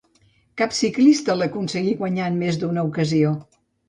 Cap ciclista l'aconseguí guanyar en més d'una ocasió.